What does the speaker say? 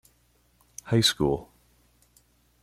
High School.